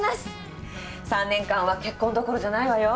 ３年間は結婚どころじゃないわよ。